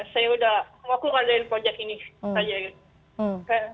saya sudah mau aku ngadain project ini saja gitu